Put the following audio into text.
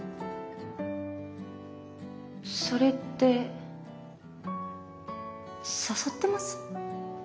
それって誘ってます？